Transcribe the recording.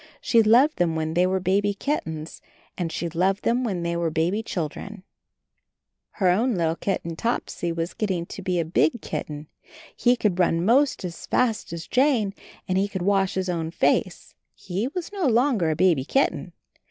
She loved them when they were baby kittens and she loved them when they were baby children. Her own kitten Topsy was getting a big kitten; he could run most as fast as Jane, and he could wash his own face — he was no longer a baby kitten.